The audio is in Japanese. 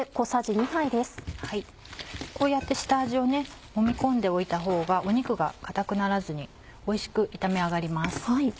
こうやって下味をもみ込んでおいたほうが肉が硬くならずにおいしく炒め上がります。